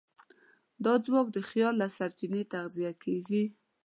دا ځواک د خیال له سرچینې تغذیه کېږي.